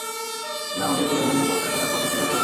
তুমি আমাদের খোঁজার জন্য এতটা পথ হেঁটে এসেছ।